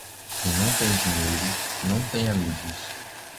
Quem não tem dinheiro, não tem amigos.